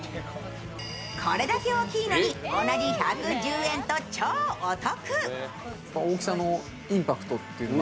これだけ大きいのに同じ１１０円と超お得。